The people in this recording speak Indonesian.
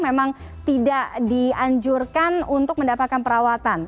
memang tidak dianjurkan untuk mendapatkan perawatan